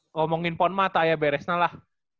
ngomongin ponma tak ada beresnya lah